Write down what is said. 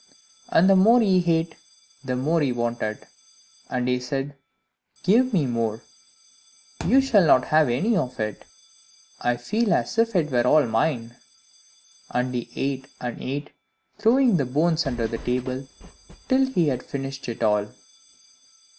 And the more he ate, the more he wanted; and he said, "Give me more, you shall not have any of it; I feel as if it were all mine." And he ate and ate, throwing the bones under the table, till he had finished it all.